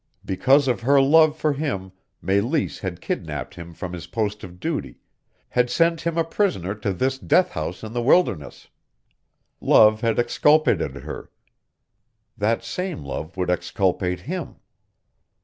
Because of her love for him Meleese had kidnapped him from his post of duty, had sent him a prisoner to this death house in the wilderness. Love had exculpated her. That same love would exculpate him.